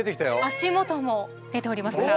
足元も出ておりますから。